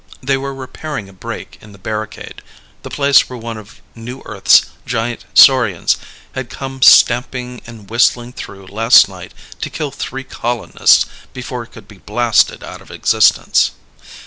They were repairing a break in the barricade the place where one of New Earth's giant saurians had come stamping and whistling through last night to kill three colonists before it could be blasted out of existence.